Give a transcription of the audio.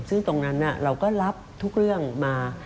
ซึ่งตรงนั้นเราก็รับทุกเรื่องมา